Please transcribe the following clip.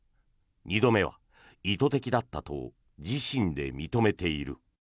２度目は意図的だったと自身で認めている。